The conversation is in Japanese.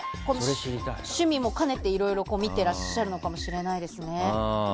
趣味も兼ねていろいろ見ていらっしゃるのかもしれないですね。